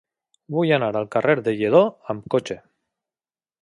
Vull anar al carrer de Lledó amb cotxe.